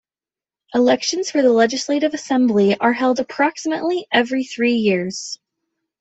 Elections for the Legislative Assembly are held approximately every three years.